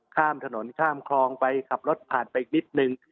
ข้ามถนนข้ามคลองไปขับรถผ่านไปอีกนิดนึง